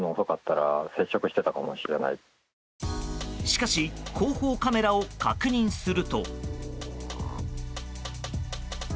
しかし後方カメラを確認すると。